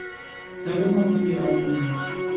سەۋرنىڭ تېگى ئالتۇن.